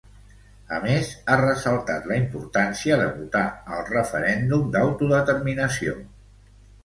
A més, ha ressaltat la importància de votar al referèndum d'autodeterminació.